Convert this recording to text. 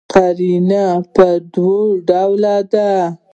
قرینه پر دوه ډوله ده.